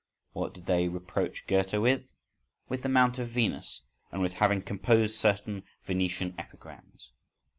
What did they reproach Goethe with?—with the Mount of Venus, and with having composed certain Venetian epigrams.